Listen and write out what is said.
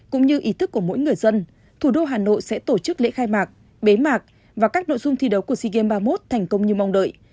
cũng như ý thức của mỗi người dân thủ đô hà nội sẽ tổ chức lễ khai mạc bế mạc và các nội dung thi đấu của sea games ba mươi một thành công như mong đợi